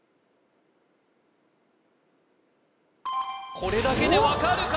これだけで分かるか？